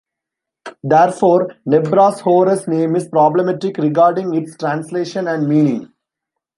Therefore, Nebra's Horus name is problematic regarding its translation and meaning.